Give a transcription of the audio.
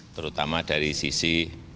terutama dari sisi